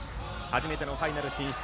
初めてのファイナル進出。